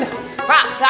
pak silahkan masuk pak